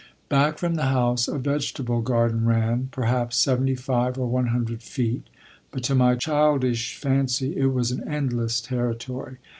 Back from the house a vegetable garden ran, perhaps seventy five or one hundred feet; but to my childish fancy it was an endless territory.